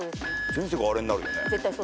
全世界あれになるよね。